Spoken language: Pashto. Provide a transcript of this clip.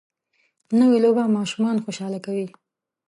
نوې لوبه ماشومان خوشحاله کوي